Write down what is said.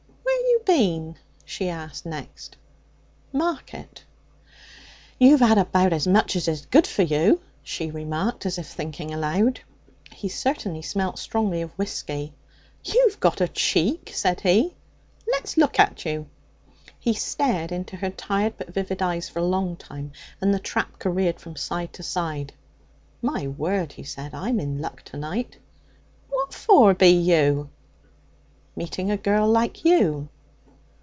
'Where you bin?' she asked next. 'Market.' 'You've had about as much as is good for you,' she remarked, as if thinking aloud. He certainly smelt strongly of whisky. 'You've got a cheek!' said he. 'Let's look at you.' He stared into her tired but vivid eyes for a long time, and the trap careered from side to side. 'My word!' he said, 'I'm in luck to night!' 'What for be you?' 'Meeting a girl like you.'